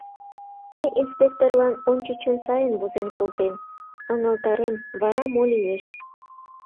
Мый инспекторлан ончычын сайын возен колтем, ыҥылтарем, вара — мо лиеш...